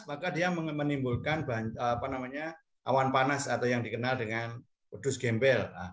maka dia menimbulkan awan panas atau yang dikenal dengan kudus gembel